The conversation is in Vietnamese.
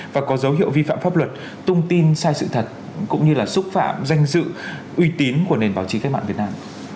và có dấu hiệu vi phạm pháp luật tung tin sai sự thật cũng như là xúc phạm danh dự uy tín của nền báo chí cách mạng việt nam